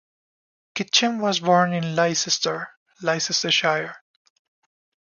Kitchen was born in Leicester, Leicestershire.